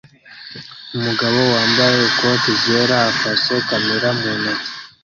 Umugore wambaye ikote ryera afashe kamera mu ntoki